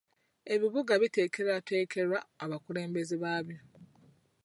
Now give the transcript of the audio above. Ebibuga biteekateekerwa abakulembeze baabyo.